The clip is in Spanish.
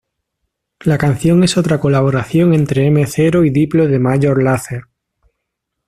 La canción es otra colaboración entre MØ y Diplo de Major Lazer.